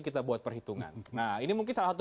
kita buat perhitungan nah ini mungkin salah satu